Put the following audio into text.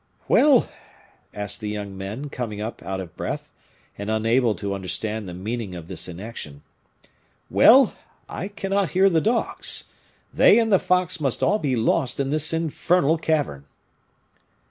"Well!" asked the young men, coming up, out of breath, and unable to understand the meaning of this inaction. "Well! I cannot hear the dogs; they and the fox must all be lost in this infernal cavern."